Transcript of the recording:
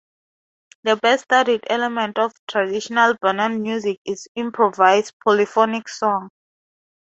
The best-studied element of traditional Bunun music is improvised polyphonic song.